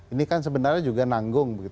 ini kan sebenarnya juga nanggung